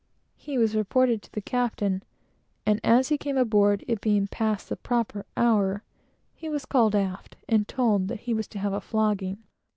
He was reported to the captain; and as he came aboard, it being past the proper hour, he was called aft, and told that he was to have a flogging.